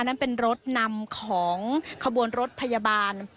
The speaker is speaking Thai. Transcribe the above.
นั้นเป็นรถนำของขบวนรถพยาบาล